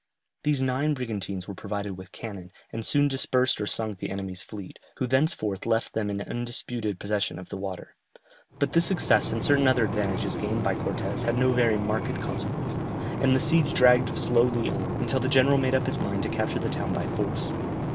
These nine brigantines were provided with cannon, and soon dispersed or sunk the enemy's fleet, who thenceforth left them in undisputed possession of the water. But this success and certain other advantages gained by Cortès had no very marked consequences, and the siege dragged slowly on, until the general made up his mind to capture the town by force.